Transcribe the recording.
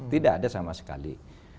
tidak ada sama sekali